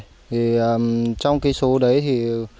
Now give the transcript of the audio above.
thì trong cái số đấy thì